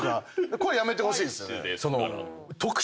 これやめてほしいですよね。